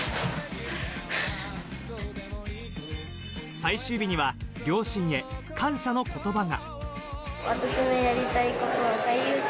最終日には、両親へ感謝の言葉が。